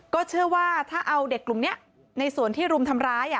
ก็เชื่อว่าถ้าเอาเด็กกลุ่มนี้ในส่วนที่รุมทำร้าย